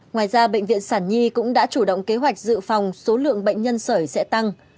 ngoài ra bệnh viện sản nhi cũng đã chủ động kế hoạch dự phòng số lượng bệnh nhân sởi sẽ tăng